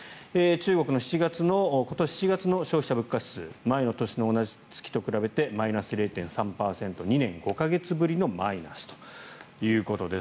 中国の今年７月の消費者物価指数前の年の同じ月と比べてマイナス０．３％２年５か月ぶりのマイナスということです。